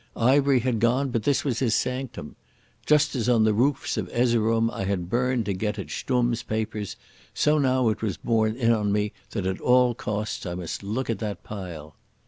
Ivery had gone, but this was his sanctum. Just as on the roofs of Erzerum I had burned to get at Stumm's papers, so now it was borne in on me that at all costs I must look at that pile.